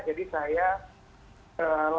itu yang saya bentuk